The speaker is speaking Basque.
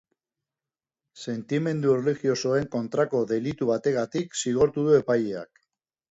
Sentimendu erlijiosoen kontrako delitu bategatik zigortu du epaileak.